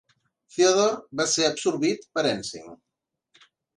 Theodore va ser absorbit per Ensign.